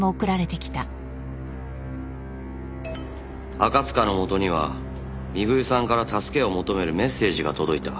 赤塚のもとには美冬さんから助けを求めるメッセージが届いた。